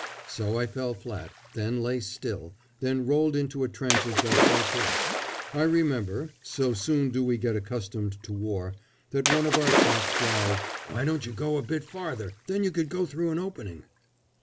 So I fell flat, then lay still, then rolled into a trench as best I could. I remember so soon do we get accustomed to war that one of our chaps growled, "Why don't you go a bit farther, then you could go through an opening!"